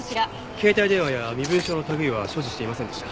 携帯電話や身分証の類いは所持していませんでした。